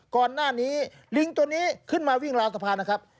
ลิงตัวนี้ขึ้นมาวิ่งราวสะพานนะครับ